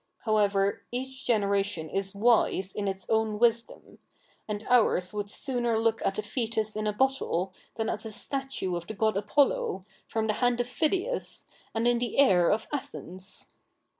However, each generation is wise in its own wisdom ; and ours would sooner look at a foitus in a bottle, than at a statue of the CH. Ill] THE NEW REPUBLIC 49 god Apollo, from the hand of Phidias, and in the air of Athens.'